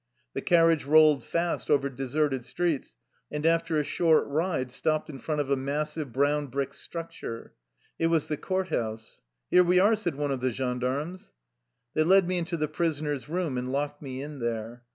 The car riage rolled fast over deserted streets, and after a short ride stopped in front of a massive brown brick structure. It was the court house. " Here we are !'' said one of the gendarmes. They led me into the prisoners' room and locked me in there.